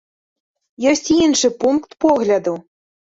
Ёсць і іншы пункт погляду.